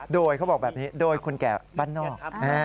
โดยเขาบอกแบบนี้โดยคนแก่บ้านนอก